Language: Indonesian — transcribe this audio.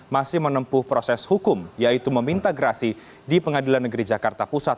masih menempuh proses hukum yaitu meminta gerasi di pengadilan negeri jakarta pusat